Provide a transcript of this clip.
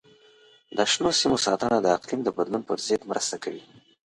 د شنو سیمو ساتنه د اقلیم د بدلون پر ضد مرسته کوي.